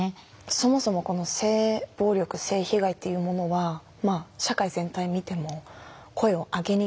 そもそも性暴力性被害っていうものはまあ社会全体見ても声を上げにくいトピックだと思います。